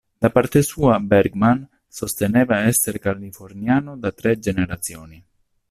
Da parte sua, Bergman, sosteneva essere californiano da tre generazioni.